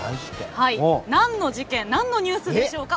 なんの事件なんのニュースでしょうか。